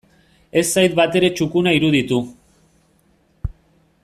Ez zait batere txukuna iruditu.